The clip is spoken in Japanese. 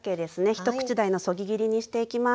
一口大のそぎ切りにしていきます。